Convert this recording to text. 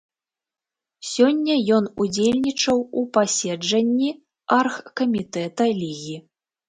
Сёння ён удзельнічаў у паседжанні аргкамітэта лігі.